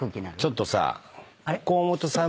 ちょっとさ。